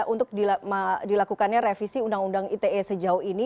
untuk dilakukannya revisi undang undang ite sejauh ini